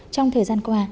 trong thời gian qua